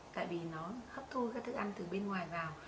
tại vì nó hấp thu các thức ăn từ bên ngoài vào